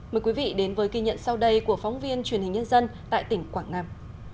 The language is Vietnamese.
mời quý vị đến với kỳ nhận sau đây của phóng viên truyền hình nhân dân tại tỉnh quảng nam